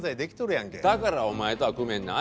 だからお前とは組めんねん。